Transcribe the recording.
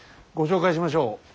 ご紹介しましょう。